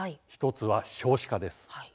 １つは少子化です。